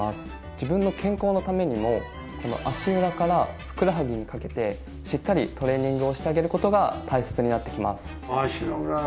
自分の健康のためにも足裏からふくらはぎにかけてしっかりトレーニングをしてあげる事が大切になってきます。